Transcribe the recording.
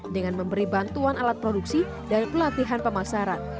dengan memberi bantuan alat produksi dan pelatihan pemasaran